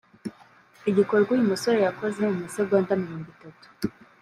Igikorwa uyu musore yakoze mu masegonda mirongo itatu